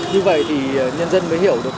như vậy thì nhân dân mới hiểu được